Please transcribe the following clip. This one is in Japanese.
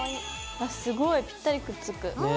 わっすごいぴったりくっつく。